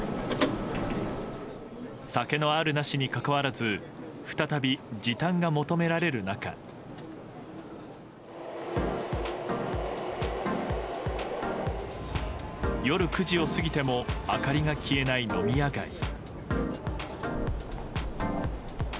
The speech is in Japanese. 酒のあるなしにかかわらず再び時短が求められる中夜９時を過ぎても明かりが消えない飲み屋街。